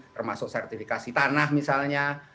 termasuk sertifikasi tanah misalnya